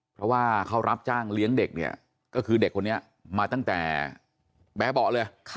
เพราะว่าเขารับจ้างเลี้ยงเด็กเนี่ยก็คือเด็กคนนี้มาตั้งแต่แบ๊เบาะเลย